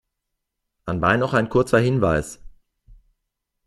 Anbei noch ein kurzer Hinweis.